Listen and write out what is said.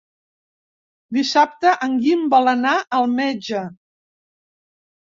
Dissabte en Guim vol anar al metge.